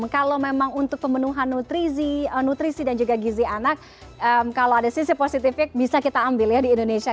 kalau memang untuk pemenuhan nutrisi nutrisi dan juga gizi anak kalau ada sisi positifnya bisa kita ambil ya di indonesia